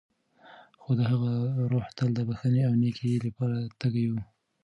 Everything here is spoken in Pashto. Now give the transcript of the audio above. خو د هغه روح تل د بښنې او نېکۍ لپاره تږی و.